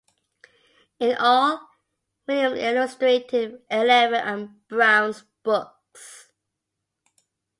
In all, Williams illustrated eleven of Brown's books.